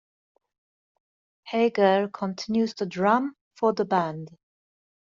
Hagar continues to drum for the band.